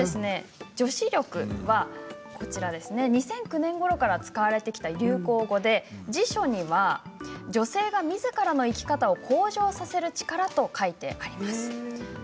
女子力は２００９年ごろから使われてきた流行語で辞書には女性がみずからの生き方を向上させる力と書いてあります。